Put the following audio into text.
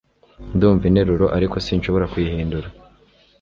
ndumva interuro, ariko sinshobora kuyihindura